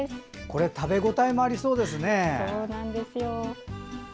これ、食べ応えもありそうですね。